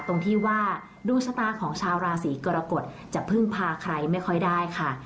ตรงที่ว่าดวงชะตาของชาวราศีกรกฎจะพึ่งพาใครไม่ค่อยได้ค่ะ